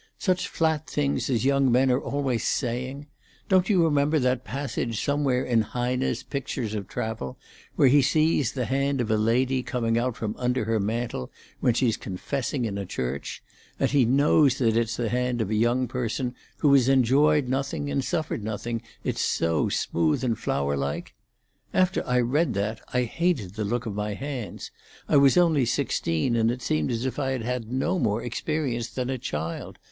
Such flat things as young men are always saying! Don't you remember that passage somewhere in Heine's Pictures of Travel, where he sees the hand of a lady coming out from under her mantle, when she's confessing in a church, and he knows that it's the hand of a young person who has enjoyed nothing and suffered nothing, it's so smooth and flower like? After I read that I hated the look of my hands—I was only sixteen, and it seemed as if I had had no more experience than a child.